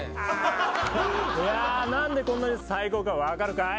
いや何でこんなに最高か分かるかい？